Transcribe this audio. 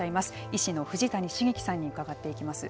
医師の藤谷茂樹さんに伺っていきます。